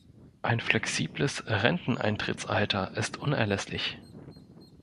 Ein flexibles Renteneintrittsalter ist unerlässlich.